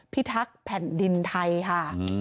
ที่ทักแผ่นดินไทยค่ะ